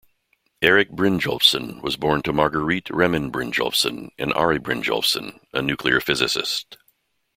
Erik Brynjolfsson was born to Marguerite Reman Brynjolfsson and Ari Brynjolfsson, a nuclear physicist.